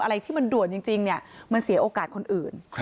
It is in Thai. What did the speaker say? อะไรที่มันด่วนจริงเนี่ยมันเสียโอกาสคนอื่น